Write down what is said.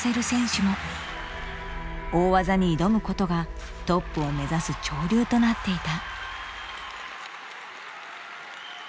大技に挑むことがトップを目指す潮流となっていた。